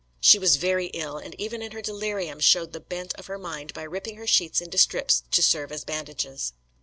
She was very ill, and even in her delirium showed the bent of her mind by ripping her sheets into strips to serve as bandages.